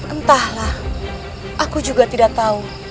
entahlah aku juga tidak tahu